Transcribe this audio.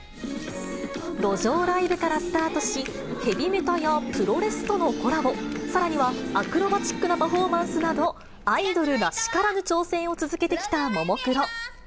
路上ライブからスタートし、ヘビメタやプロレスとのコラボ、さらにはアクロバチックなパフォーマンスなど、アイドルらしからぬ挑戦を続けてきたももクロ。